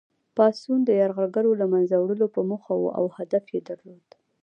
پاڅون د یرغلګرو له منځه وړلو په موخه وو او هدف یې درلود.